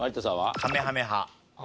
カメハメハ。